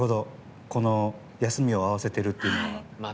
休みを合わせているっていうのは。